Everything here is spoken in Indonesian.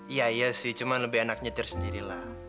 iya iya sih cuma lebih enak nyetir sendirilah